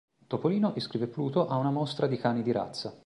Topolino iscrive Pluto a una mostra di cani di razza.